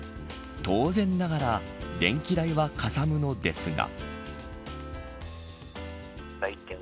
当然ながら、電気代はかさむのですが。